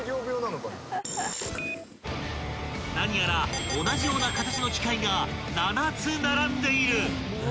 ［何やら同じような形の機械が７つ並んでいる］